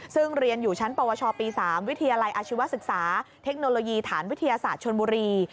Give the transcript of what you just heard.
ซึ่งเรียนอยู่ชั้นปวชปี๓วิทยาลัยอาชีวศึกษาเทคโนโลยีฐานวิทยาศาสตร์ชนบุรี